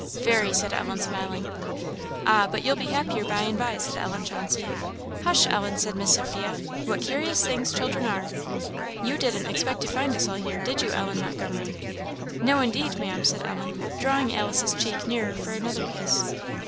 "Very," said Ellen, smiling. "Ah, but you'll be happier by and by," said Ellen Chauncey. "Hush, Ellen!" said Miss Sophia; "what curious things children are! You didn't expect to find us all here, did you, Ellen Montgomery?" "No, indeed, Ma'am," said Ellen, drawing Alice's cheek nearer for another kiss.